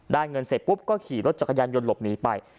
เงินเสร็จปุ๊บก็ขี่รถจักรยานยนต์หลบหนีไป